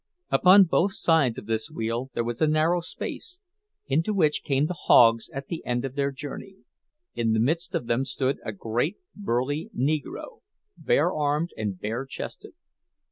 Upon both sides of this wheel there was a narrow space, into which came the hogs at the end of their journey; in the midst of them stood a great burly Negro, bare armed and bare chested.